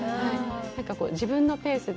自分のペースで。